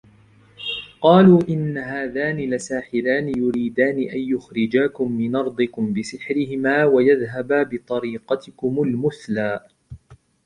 قالوا إن هذان لساحران يريدان أن يخرجاكم من أرضكم بسحرهما ويذهبا بطريقتكم المثلى